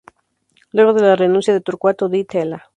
Luego de la renuncia de Torcuato Di Tella.